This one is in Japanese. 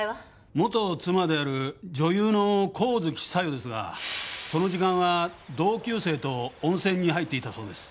元妻である女優の神月沙代ですがその時間は同級生と温泉に入っていたそうです。